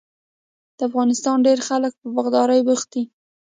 د افغانستان ډیری خلک په باغدارۍ بوخت دي.